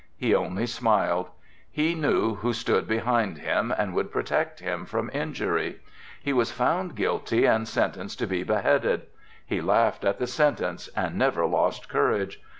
He only smiled. He knew who stood behind him and would protect him from injury. He was found guilty and sentenced to be beheaded. He laughed at the sentence and never lost courage.